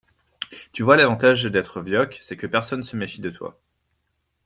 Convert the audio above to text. Tu vois l’avantage d’être vioque c’est que personne se méfie de toi.